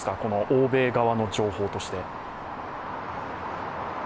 欧米側の情報として。